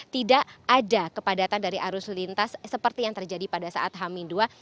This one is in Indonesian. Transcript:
tidak ada kepadatan dari arus lintas seperti yang terjadi pada saat hamin dua